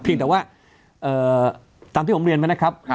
แต่ว่าตามที่ผมเรียนมานะครับ